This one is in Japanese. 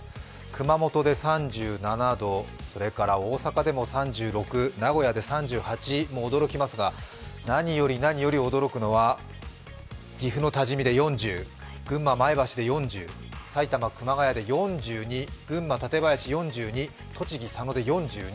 熊本で３７度、それから大阪でも３６、名古屋で３８も驚きますが何より何より驚くのは、岐阜の多治見で４０、群馬・前橋で４０埼玉・熊谷で４２群馬・館林４２、栃木・佐野で４２。